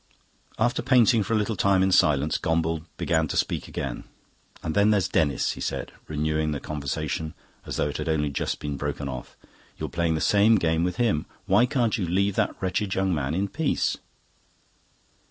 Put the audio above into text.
After painting for a little time in silence Gombauld began to speak again. "And then there's Denis," he said, renewing the conversation as though it had only just been broken off. "You're playing the same game with him. Why can't you leave that wretched young man in peace?"